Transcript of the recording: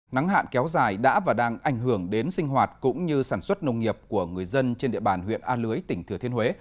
nắng hạn kéo dài đã và đang ảnh hưởng đến sinh hoạt cũng như sản xuất nông nghiệp của người dân trên địa bàn huyện a lưới tỉnh thừa thiên huế